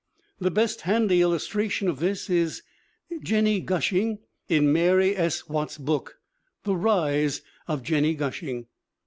The best handy illustration of this is Jennie Gushing in Mary S. Watts's book, The Rise of Jennie Gushing.